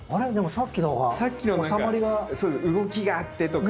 さっきのほうが何か動きがあってとか。